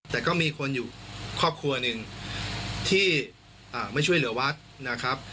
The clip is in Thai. แต่ก็มีคนอยู่ครอบครัวหนึ่งที่ไม่ช่วยเหลือวัดนะครับ